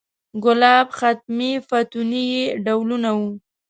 ګلاب، ختمي، فتوني یې ډولونه و.